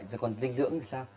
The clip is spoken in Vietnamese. rồi còn dinh dưỡng thì sao